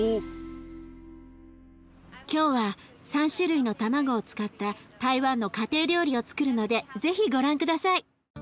今日は３種類の卵を使った台湾の家庭料理をつくるので是非ご覧下さい。